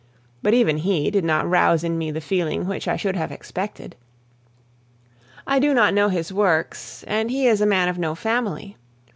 But even he did not rouse in me the feeling which I should have expected. I do not know his works, and he is a man of no family.